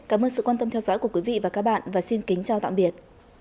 cảm ơn sự quan tâm theo dõi của quý vị và các bạn và xin kính chào tạm biệt